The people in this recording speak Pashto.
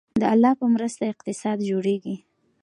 د الله په مرسته اقتصاد جوړیږي